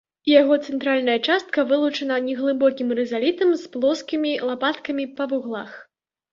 Яго цэнтральная частка вылучана неглыбокім рызалітам з плоскімі лапаткамі па вуглах.